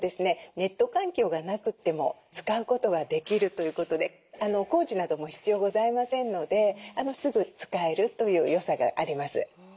ネット環境がなくても使うことができるということで工事なども必要ございませんのですぐ使えるというよさがあります。